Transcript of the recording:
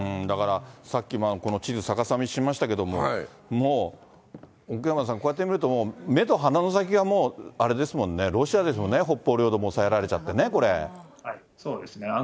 だから、さっきもこの地図逆さにしましたけれども、もう奥山さん、こうやって見ると目と鼻の先がもう、あれですもんね、ロシアですもんね、北方領土も押さえられちゃってね、そうですね。